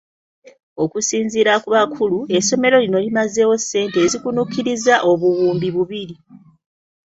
Okusinziira ku bakulu, essomero lino lyamazeewo ssente ezikunukkiriza obuwumbi bubiri.